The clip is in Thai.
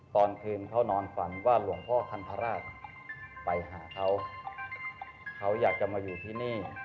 ตอนคืนเขานอนฝันว่าหลวงพ่อคันธราชไปหาเขาเขาอยากจะมาอยู่ที่นี่